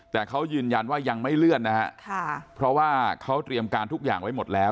แต่เขายืนยันว่ายังไม่เลื่อนนะฮะเพราะว่าเขาเตรียมการทุกอย่างไว้หมดแล้ว